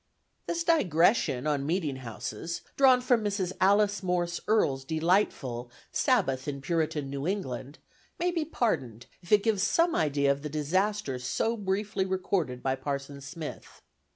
This digression on meeting houses (drawn from Mrs. Alice Morse Earle's delightful "Sabbath in Puritan New England") may be pardoned if it gives some idea of the disaster so briefly recorded by Parson Smith.